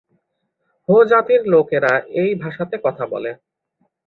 হো জাতির লোকেরা এই ভাষাতে কথা বলে।